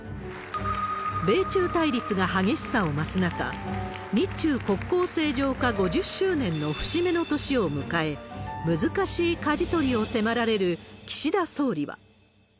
米中対立が激しさを増す中、日中国交正常化５０周年の節目の年を迎え、難しいかじ取りを迫られる岸田総理は。